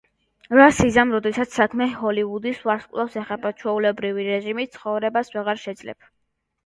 რას იზამ, როდესაც საქმე ჰოლივუდის ვარსკვლავს ეხება, ჩვეულებრივი რეჟიმით ცხოვრებას ვეღარ შეძლებ.